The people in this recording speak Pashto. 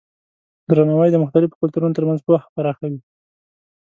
درناوی د مختلفو کلتورونو ترمنځ پوهه پراخه کوي.